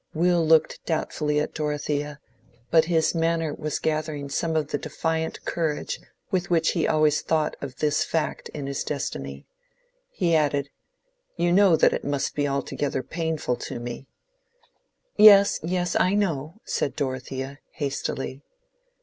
Will looked doubtfully at Dorothea, but his manner was gathering some of the defiant courage with which he always thought of this fact in his destiny. He added, "You know that it must be altogether painful to me." "Yes—yes—I know," said Dorothea, hastily.